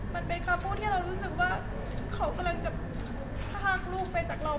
มันเป็นคำพูดที่เรารู้สึกว่าเขากำลังจะพลากลูกไปจากเรา